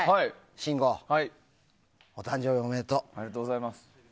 信五、お誕生日おめでとう。